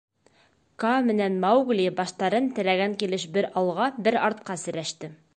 Каа менән Маугли баштарын терәгән килеш бер алға, бер артҡа серәште.